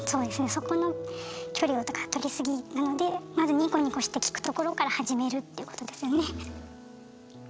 そこの距離をとかとりすぎなのでまずニコニコして聞くところから始めるっていうことですよね。